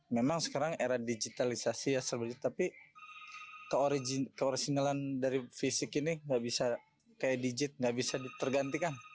memang sekarang era digitalisasi ya serba serba tapi keorisinalan dari fisik ini gak bisa kayak digit gak bisa ditergantikan